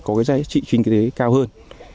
có giá trị kinh tế cao hơn